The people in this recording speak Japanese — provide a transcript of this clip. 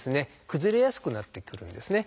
崩れやすくなってくるんですね。